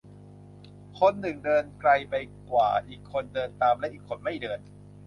"คนหนึ่งเดินไกลไปกว่า อีกคนเดินตาม และอีกคนไม่เดิน"